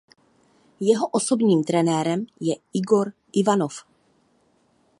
Jeho osobním trenérem je Igor Ivanov.